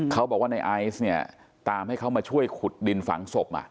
เขาบอกว่าในไอซ์เนี่ยตามให้เขามาช่วยขุดดินฝังศพ